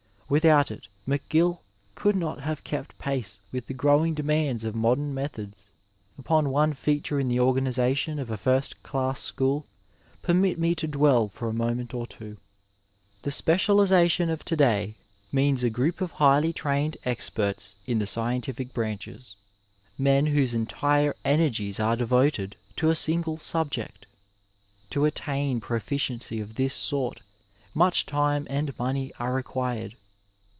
Without it McGill could not have kept pace with the growing demands of modem methods. Upon one feature in the organization of a first class school permit me to dwell for a moment or two. The specialization of to day means a group of highly trained experts in the scientific branches, men whose entire energies are devoted to a single subject. To attain proficiency of this sort much time and money are required.